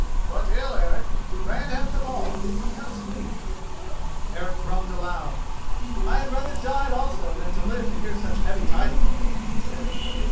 "But ill, Eric. Ran has them all. Now sleep!" Eric groaned aloud. "I had rather died also than live to hear such heavy tidings," he said.